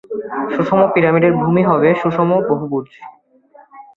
সুষম পিরামিডের ভূমি হবে সুষম বহুভুজ।